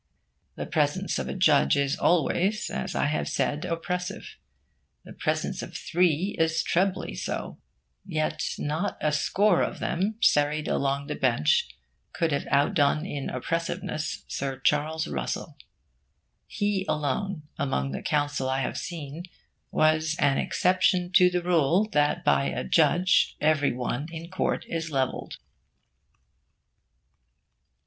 The presence of a judge is always, as I have said, oppressive. The presence of three is trebly so. Yet not a score of them serried along the bench could have outdone in oppressiveness Sir Charles Russell. He alone, among the counsel I have seen, was an exception to the rule that by a judge every one in court is levelled.